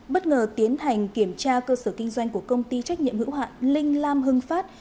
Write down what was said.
bất ngờ tiến hành kiểm tra cơ sở kinh doanh của công ty trách nhiệm hữu hạn linh lam hưng phát